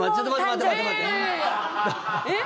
えっ？